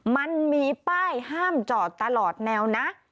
มันมีป้ายห้ามจอดตลอดแนวนะ